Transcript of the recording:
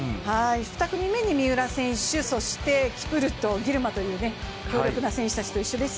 ２組目に三浦選手そして、キプルトギルマという強力な選手たちと一緒です。